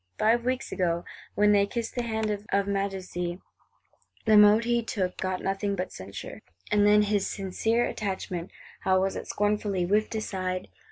Five weeks ago, when they kissed the hand of Majesty, the mode he took got nothing but censure; and then his "sincere attachment," how was it scornfully whiffed aside!